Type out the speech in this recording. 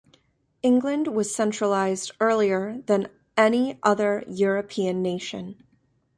England was centralized earlier than any other European nation.